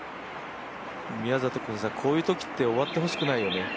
宮里君、こういうときって終わってほしくないよね。